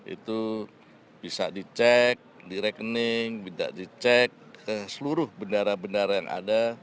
itu bisa dicek di rekening bisa dicek ke seluruh bendara bendara yang ada